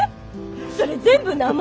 それ全部名前？